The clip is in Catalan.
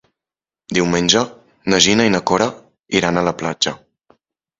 Diumenge na Gina i na Cora iran a la platja.